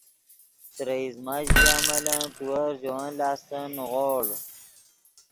ترے ایزمہ ژیا ملن تیور ژے ون لاستن نیغوڑ